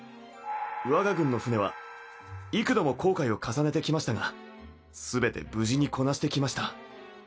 我が軍の船は幾度も航海を重ねてきましたが全て無事にこなしてきました。